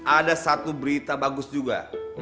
ada satu berita bagus juga